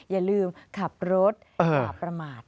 อย่าลืมขับรถอย่าประมาท